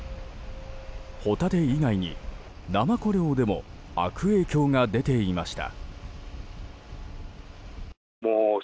ホタテ以外にナマコ漁でも悪影響が出ていました。